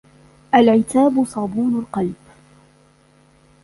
العتاب صابون القلب